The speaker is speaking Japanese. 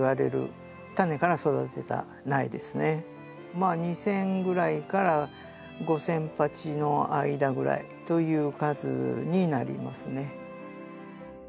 これが２，０００ぐらいから５，０００鉢の間ぐらいという数になりますね。